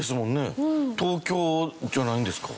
東京じゃないんですか？